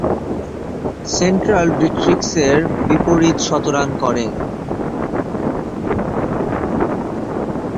Central ডিস্ট্রিক্টসের বিপক্ষে শতরান করেন।